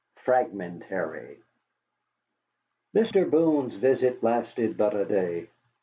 FRAGMENTARY Mr. Boone's visit lasted but a day.